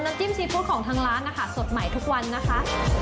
จิ้มซีฟู้ดของทางร้านนะคะสดใหม่ทุกวันนะคะ